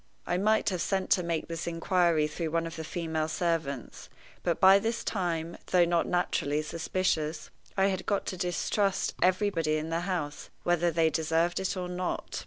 I might have sent to make this inquiry through one of the female servants; but by this time, though not naturally suspicious, I had got to distrust everybody in the house, whether they deserved it or not.